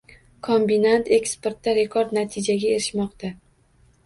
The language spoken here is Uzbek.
Kombinat eksportda rekord natijaga erishmoqda